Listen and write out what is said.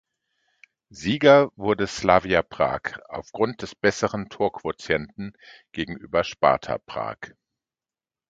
Sieger wurde Slavia Prag aufgrund des besseren Torquotienten gegenüber Sparta Prag.